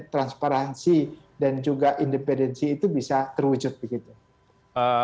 transparansi dan juga independensi itu bisa terwujud begitu